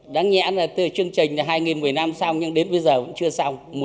đáng nhẽ là chương trình là hai nghìn một mươi năm xong nhưng đến bây giờ vẫn chưa xong